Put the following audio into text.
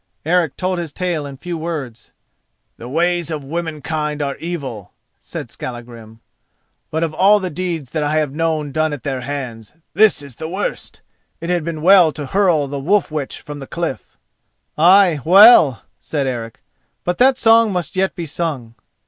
Eric told his tale in few words. "The ways of womankind are evil," said Skallagrim; "but of all the deeds that I have known done at their hands, this is the worst. It had been well to hurl the wolf witch from the cliff." "Ay, well," said Eric; "but that song must yet be sung."